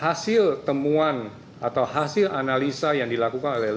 hasil temuan atau hasil analisa yang dilakukan oleh